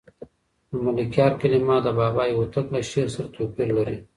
د ملکیار کلمات د بابا هوتک له شعر سره توپیر لري.